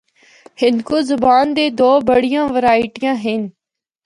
ہندکو زبان دے دو بڑیاں ورائٹیاں ہن۔